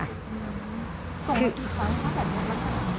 ส่งกี่ครั้งแล้วแบบนั้นแล้วค่ะ